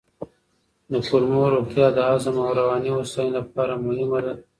د کولمو روغتیا د هضم او رواني هوساینې لپاره مهمه ده.